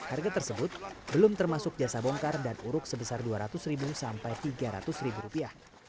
harga tersebut belum termasuk jasa bongkar dan uruk sebesar dua ratus ribu sampai tiga ratus rupiah